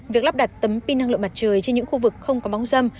việc lắp đặt tấm pin năng lượng mặt trời trên những khu vực không có bóng dâm